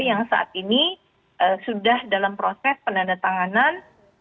yang saat ini sudah dalam proses penandatanganan